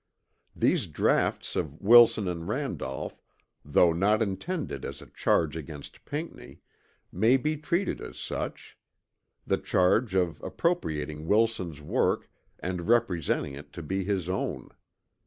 These draughts of Wilson and Randolph though not intended as a charge against Pinckney may be treated as such the charge of appropriating Wilson's work and representing it to be his own.